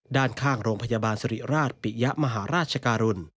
ด้านข้างโรงพยาบาลสิริราชปิยะมหาราชการุณ